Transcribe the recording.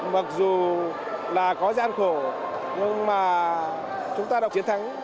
mặc dù là có gian khổ nhưng mà chúng ta đọc chiến thắng